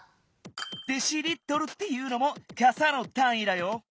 「デシリットル」っていうのもかさのたんいだよ。